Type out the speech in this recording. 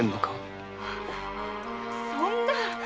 そんな！